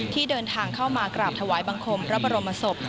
ที่เดินทางเข้ามากราบถวายบังคมพระบรมศพ